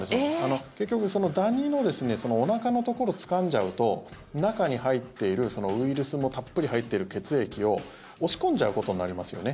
結局、ダニのおなかのところをつかんじゃうと中に入っている、ウイルスもたっぷり入っている血液を押し込んじゃうことになりますよね。